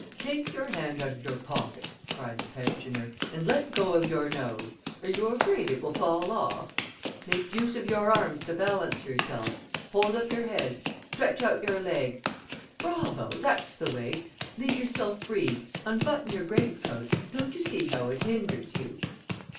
"Take your hand out of your pocket," cried the pensioner, "and let go of your nose; are you afraid it will fall off? Make use of your arms to balance yourself; hold up your head; stretch out your leg; bravo! that's the way; leave yourself free, unbutton your great coat, don't you see how it hinders you?"